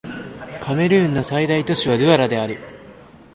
カメルーンの最大都市はドゥアラである